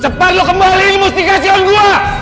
cepat lo kembalikan mustika sion gue